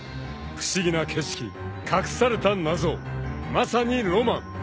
［不思議な景色隠された謎まさにロマン］